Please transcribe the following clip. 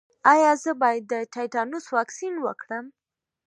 ایا زه باید د تیتانوس واکسین وکړم؟